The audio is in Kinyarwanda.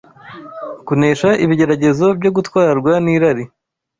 kunesha ibigeragezo byo gutwarwa n’irari